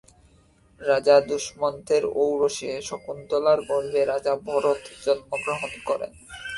রাজা দুষ্মন্তের ঔরসে শকুন্তলার গর্ভে রাজা ভরত জন্মগ্রহণ করেন।